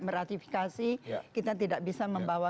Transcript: meratifikasi kita tidak bisa membawa